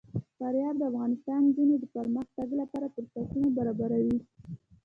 فاریاب د افغان نجونو د پرمختګ لپاره فرصتونه برابروي.